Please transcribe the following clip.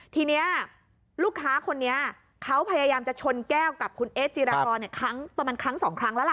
ทีนี้ลูกค้าคนนี้เขาพยายามจะชนแก้วกับคุณเอสจิรากรครั้งประมาณครั้งสองครั้งแล้วล่ะ